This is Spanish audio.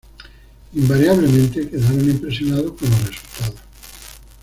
Invariablemente, quedaron impresionados con los resultados.